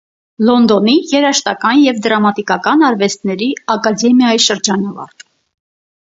Լոնդոնի երաժշտական և դրամատիկական արվեստների ակադեմիայի շրջանավարտ։